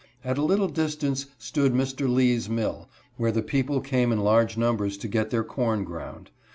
At a little distance stood Mr. Lee's mill, where the people came in large numbers to get their corn ground.